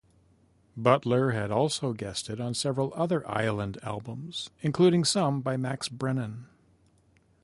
Butler had also guested on several other island albums, including some by Max Brennan.